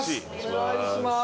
お願いします